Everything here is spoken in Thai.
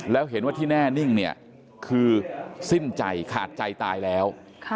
แล้วเห็นว่าที่แน่นิ่งเนี่ยคือสิ้นใจขาดใจตายแล้ว